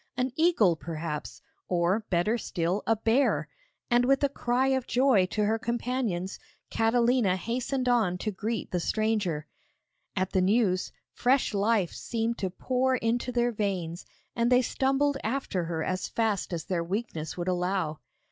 An eagle perhaps, or, better still, a bear; and with a cry of joy to her companions, Catalina hastened on to greet the stranger. At the news, fresh life seemed to pour into their veins and they stumbled after her as fast as their weakness would allow.